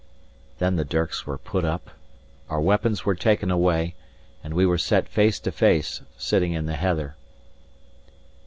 Then the dirks were put up, our weapons were taken away, and we were set face to face, sitting in the heather.